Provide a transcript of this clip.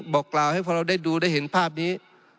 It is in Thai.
บอกกล่าวให้พอเราได้ดูได้เห็นภาพนี้